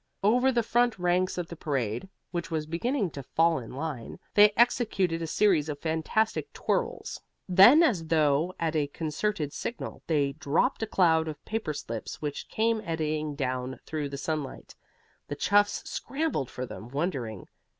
Over the front ranks of the parade (which was beginning to fall in line) they executed a series of fantastic twirls. Then, as though at a concerted signal, they dropped a cloud of paper slips which came eddying down through the sunlight. The chuffs scrambled for them, wondering.